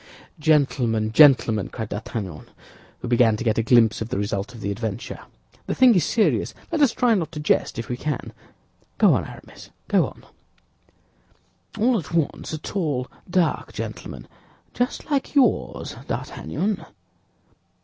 "Gentlemen, gentlemen," cried D'Artagnan, who began to get a glimpse of the result of the adventure, "the thing is serious. Let us try not to jest, if we can. Go on Aramis, go on." "All at once, a tall, dark gentleman—just like yours, D'Artagnan."